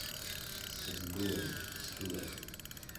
Сызгылом, сгылар.